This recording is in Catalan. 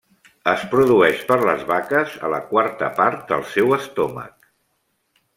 Es produeix per les vaques a la quarta part del seu estómac.